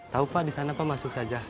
tau pak disana pak masuk saja